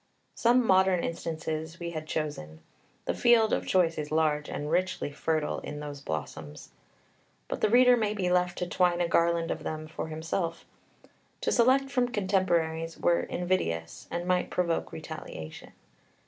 Some modern instances we had chosen; the field of choice is large and richly fertile in those blossoms. But the reader may be left to twine a garland of them for himself; to select from contemporaries were invidious, and might provoke retaliation.